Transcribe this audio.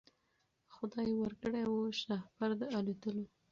خدای ورکړی وو شهپر د الوتلو